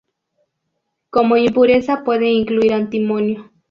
Como impureza puede incluir antimonio.